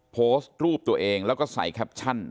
โพสต์รูปตัวเองแล้วก็ใส่แคปชั่น